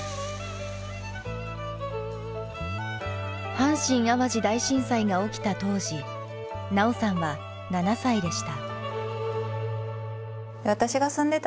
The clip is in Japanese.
阪神・淡路大震災が起きた当時奈緒さんは７歳でした。